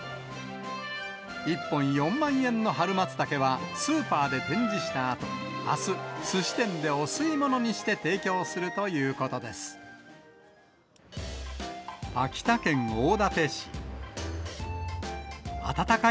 １本４万円の春マツタケは、スーパーで展示したあと、あす、すし店でお吸い物にして提供するミストの日焼け止めと出掛けよう。